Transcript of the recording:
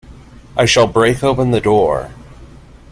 I shall break open the door.